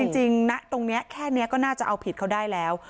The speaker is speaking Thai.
จริงณตรงนี้แค่นี้ก็น่าจะเอาผิดเขาได้แล้ว